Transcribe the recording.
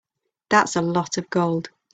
That's a lot of gold.